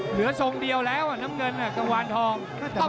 เหลือทรงเดียวแล้วน้ำเงินกังวานทอง